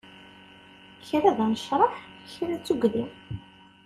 Kra d anecreḥ, kra d tugdi.